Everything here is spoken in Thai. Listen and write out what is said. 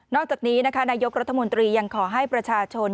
อกจากนี้นะคะนายกรัฐมนตรียังขอให้ประชาชน